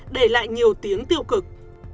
để lại nhiều tiếng tiêu cực